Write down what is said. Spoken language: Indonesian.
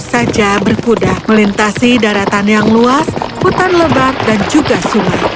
mulan dan lisan terus saja berkuda melintasi daratan yang luas hutan lebar dan juga sungai